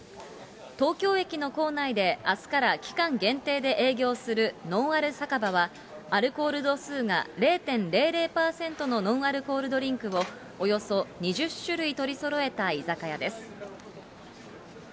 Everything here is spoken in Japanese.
東京駅の構内で、あすから期間限定で営業するノンアル酒場は、アルコール度数が０．００％のノンアルコールドリンクをおよそ２０種類取りそろえた居酒屋です。